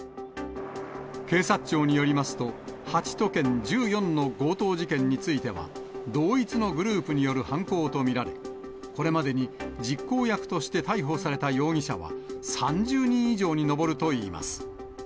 警察庁によりますと、８都県１４の強盗事件については、同一のグループによる犯行と見られ、これまでに実行役として逮捕された容疑者は３０人以上に上るといいます。